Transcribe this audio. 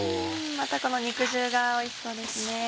またこの肉汁がおいしそうですね。